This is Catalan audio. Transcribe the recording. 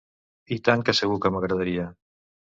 I tant que segur que m'agradaria!